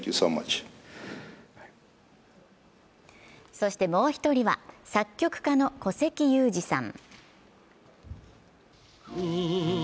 そしてもう一人は作曲家の古関裕而さん。